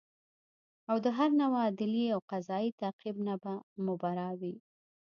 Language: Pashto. او د هر نوع عدلي او قضایي تعقیب نه به مبرا وي